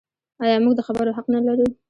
آیا موږ د خبرو حق نلرو؟